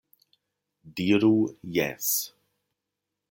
Diru "jes!"